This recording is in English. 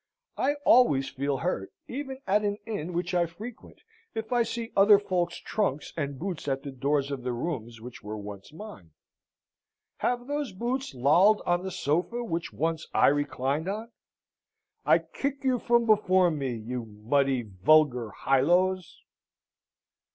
I always feel hurt, even at an inn which I frequent, if I see other folks' trunks and boots at the doors of the rooms which were once mine. Have those boots lolled on the sofa which once I reclined on? I kick you from before me, you muddy, vulgar highlows!